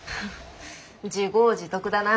自業自得だな。